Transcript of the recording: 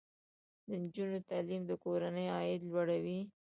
د نجونو تعلیم د کورنۍ عاید لوړوي.